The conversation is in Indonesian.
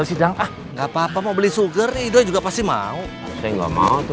eh melepaskan kamu